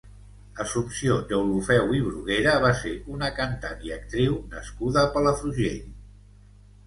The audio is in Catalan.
Assumpció Deulofeu i Bruguera va ser una cantant i actriu nascuda a Palafrugell.